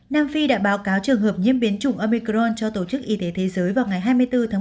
nam phi đã báo cáo trường hợp nhiễm biến chủng omicron cho tổ chức y tế thế giới vào ngày hai mươi bốn tháng một